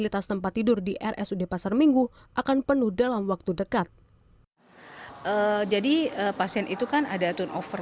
tempat tidur di rsud pasar minggu akan penuh dalam waktu dekat jadi pasien itu kan ada turnover